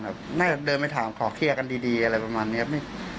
น่าจะเดินไปถามขอเคลียร์กันดีอะไรประมาณนี้